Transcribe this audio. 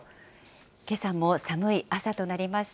けさも寒い朝となりました。